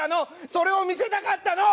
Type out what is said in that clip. それを見せたかったの！